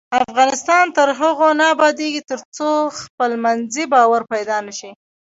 افغانستان تر هغو نه ابادیږي، ترڅو خپلمنځي باور پیدا نشي.